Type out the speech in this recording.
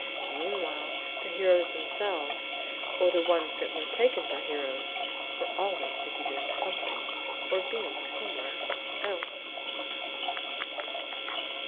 Meanwhile the heroes themselves or the ones that were taken for heroes were always busy doing something, or being somewhere, else."